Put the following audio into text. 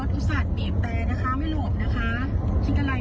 รถอุตสัตว์บีบแตรนะคะไม่หลบนะคะที่อะไรอยู่เนี่ย